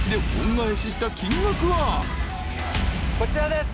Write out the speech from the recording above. こちらです。